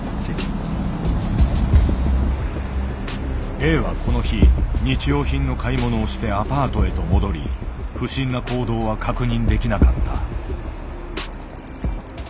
Ａはこの日日用品の買い物をしてアパートへと戻り不審な行動は確認できなかった。